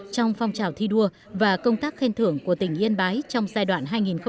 trong phong trào thi đua và công tác khen thưởng của tỉnh yên bái trong giai đoạn hai nghìn một mươi năm hai nghìn hai mươi